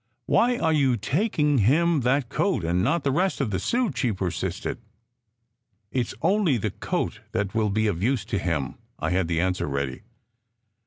" Why are you taking him the coat, and not the rest of the suit?" she persisted. " It s only the coat that will be of use to him. " I had the answer ready.